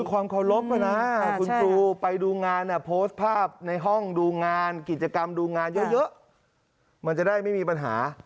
ความเคารพนะคุณครูไปดูงานโพสต์ภาพในห้องดูงานกิจกรรมดูงานเยอะมันจะได้ไม่มีปัญหา